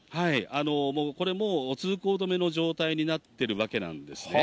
もうこれもう、通行止めの状態になっているわけなんですね。